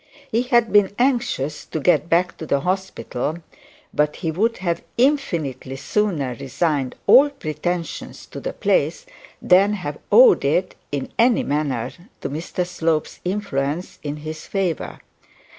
He had been anxious to get back to the hospital, but he would have infinitely sooner resigned all pretensions to the place, than have owned in any manner to Mr Slope's influence in his favour.